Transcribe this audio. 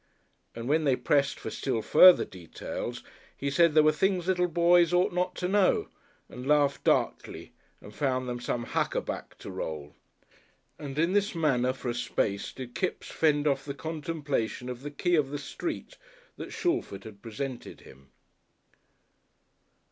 And when they pressed for still further details he said there were things little boys ought not to know and laughed darkly and found them some huckaback to roll. And in this manner for a space did Kipps fend off the contemplation of the "key of the street" that Shalford had presented him.